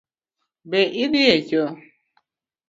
Be idhi e choo?